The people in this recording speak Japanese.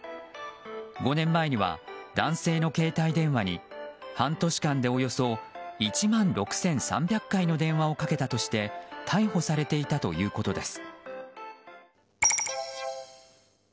５年前には男性の携帯電話に半年間でおよそ１万６３００回の電話をかけたとして逮捕されていたということです。